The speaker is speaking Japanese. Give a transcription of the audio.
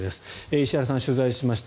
石原さん、取材しました。